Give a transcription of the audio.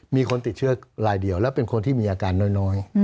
มีคนติดเชื้อรายเดียวและเป็นคนที่มีอาการน้อย